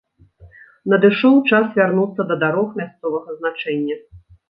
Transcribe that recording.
Надышоў час вярнуцца да дарог мясцовага значэння.